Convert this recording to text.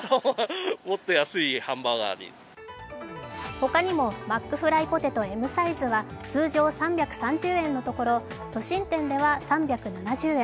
ほかにもマックフライポテトＭサイズは通常３３０円のところ都心店では３７０円